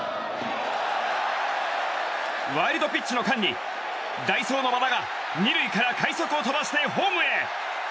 ワイルドピッチの間に代走、和田が２塁から快足を飛ばしてホームへ！